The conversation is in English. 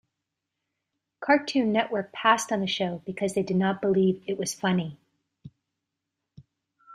Cartoon Network passed on the show because they did not believe it was funny.